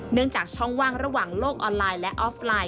จากช่องว่างระหว่างโลกออนไลน์และออฟไลน์